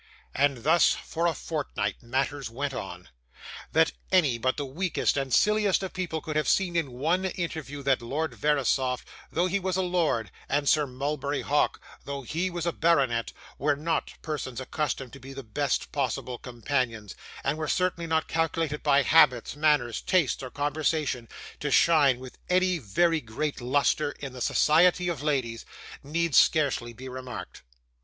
And thus for a fortnight matters went on. That any but the weakest and silliest of people could have seen in one interview that Lord Verisopht, though he was a lord, and Sir Mulberry Hawk, though he was a baronet, were not persons accustomed to be the best possible companions, and were certainly not calculated by habits, manners, tastes, or conversation, to shine with any very great lustre in the society of ladies, need scarcely be remarked.